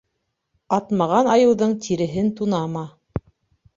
Атмаған айыуҙың тиреһен тунама.